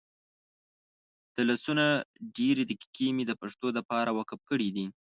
دلسونه ډیري دقیقی مي دپښتو دپاره وقف کړي دي